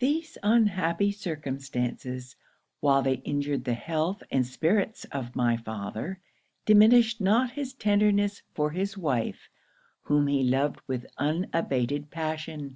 'These unhappy circumstances, while they injured the health and spirits of my father, diminished not his tenderness for his wife, whom he loved with unabated passion.